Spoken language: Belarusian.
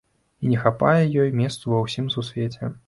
І не хапае ёй месцу ва ўсім Сусвеце.